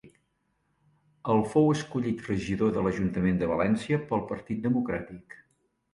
El fou escollit regidor de l'ajuntament de València pel Partit Democràtic.